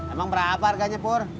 emang berapa harganya pur